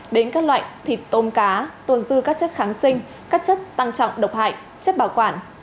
đến các loại thịt tôm cá tồn dư các chất kháng sinh các chất tăng trọng độc hại chất bảo quản